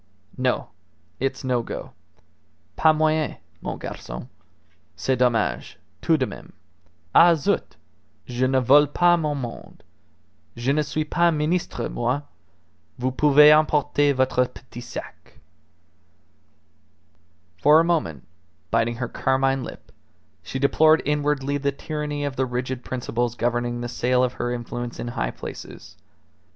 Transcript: "No; it's no go. _Pas moyen, mon garcon. C'est dommage, tout de meme. Ah! zut! Je ne vole pas mon monde. Je ne suis pas ministre moi! Vous pouvez emporter votre petit sac_." For a moment, biting her carmine lip, she deplored inwardly the tyranny of the rigid principles governing the sale of her influence in high places.